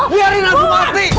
biarin aku mati